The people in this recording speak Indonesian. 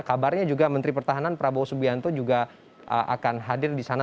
kabarnya juga menteri pertahanan prabowo subianto juga akan hadir di sana